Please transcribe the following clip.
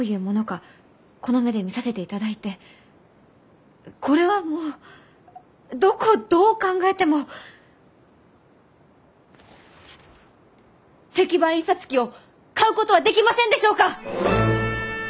この目で見させていただいてこれはもうどこをどう考えても石版印刷機を買うことはできませんでしょうか？